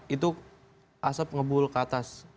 itu asap ngebul ke atas